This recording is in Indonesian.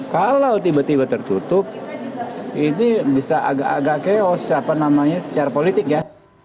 kalau tiba tiba tertutup ini bisa agak agak keos secara politik ya